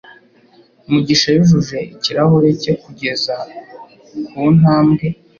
Mugisha yujuje ikirahure cye kugeza kuntambwe